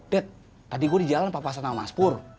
dad tadi gue di jalan pak pascanama mas pur